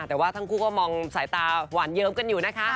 แต่ว่าทั้งคู่ก็มองสายตาหวานเยิ้มกันอยู่นะคะ